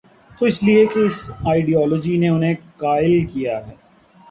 تو اس لیے کہ اس آئیڈیالوجی نے انہیں قائل کیا ہے۔